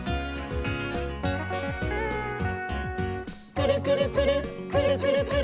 「くるくるくるっくるくるくるっ」